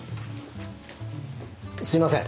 すいません。